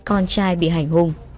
con trai bị hành hung